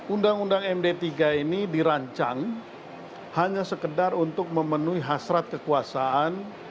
undang undang md tiga ini dirancang hanya sekedar untuk memenuhi hasrat kekuasaan